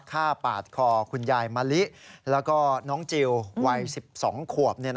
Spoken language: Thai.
ฆ่าปาดคอคุณยายมะลิแล้วก็น้องจิลวัย๑๒ขวบ